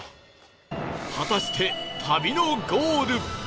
果たして旅のゴール